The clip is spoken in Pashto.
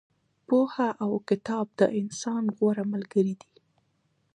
پوهه او کتاب د انسان غوره ملګري دي.